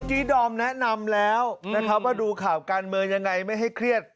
ดอมแนะนำแล้วนะครับว่าดูข่าวการเมืองยังไงไม่ให้เครียด